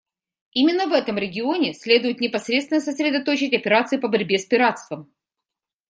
Именно в этом регионе следует непосредственно сосредоточить операции по борьбе с пиратством.